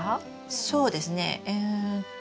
そうですねうんと。